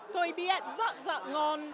bởi vì nó rất rất ngon